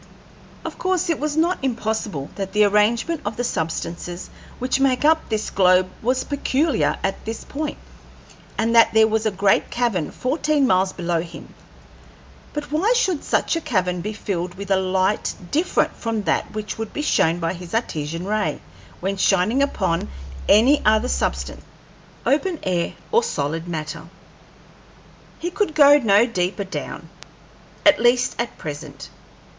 Of course it was not impossible that the arrangement of the substances which make up this globe was peculiar at this point, and that there was a great cavern fourteen miles below him; but why should such a cavern be filled with a light different from that which would be shown by his Artesian ray when shining upon any other substances, open air or solid matter? He could go no deeper down at least at present.